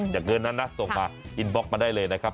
เงินนั้นนะส่งมาอินบล็อกมาได้เลยนะครับ